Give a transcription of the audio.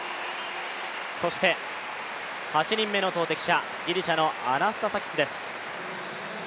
そして８人目の投てき者、ギリシャのアナスタサキスです。